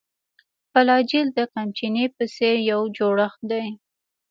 فلاجیل د قمچینې په څېر یو جوړښت دی.